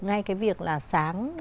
ngay cái việc là sáng